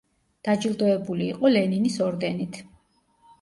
დაჯილდოებული იყო ლენინის ორდენით.